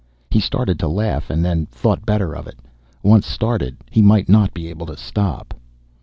He started to laugh and then thought better of it. Once started, he might not be able to stop.